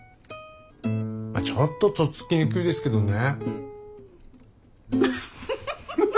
ちょっととっつきにくいですけどね。